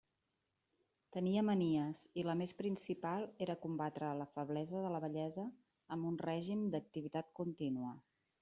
Tenia manies, i la més principal era combatre la feblesa de la vellesa amb un règim d'activitat contínua.